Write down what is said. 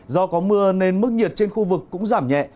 do có mưa nên mức nhiệt trên khu vực cũng giảm nhẹ